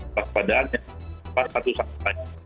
juga satu kekuatpadaan yang harus kita lakukan